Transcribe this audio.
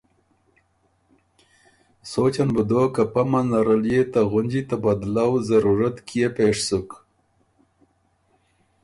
سوچن بُو دوک که پۀ منځ نرل يې ته غُنجی ته بدلؤ ضرورت کيې پېش سُک؟